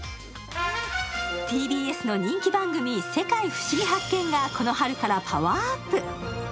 ＴＢＳの人気番組「世界ふしぎ発見！」がこの春からパワーアップ。